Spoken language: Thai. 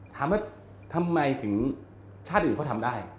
ถามว่าทำไมถึงชาติอื่นเขาทำได้